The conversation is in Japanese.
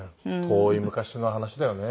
遠い昔の話だよね。